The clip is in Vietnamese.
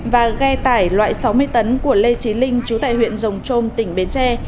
và ghe tải loại sáu mươi tấn của lê trí linh chú tại huyện rồng trôm tỉnh bến tre